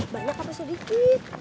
banyak apa sedikit